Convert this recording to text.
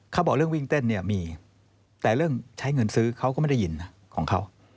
เขาบอกเรื่องวิ่งเต้นเนี่ยมีแต่เรื่องใช้เงินซื้อเขาก็ไม่ได้ยินนะของเขา